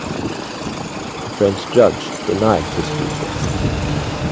The French judge denied this request.